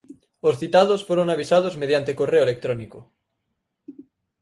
Os citados foron avisados mediante correo electrónico.